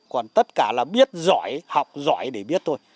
còn tất cả là biết giỏi học giỏi để biết thôi